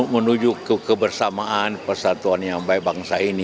menuju ke kebersamaan persatuan yang baik bangsa ini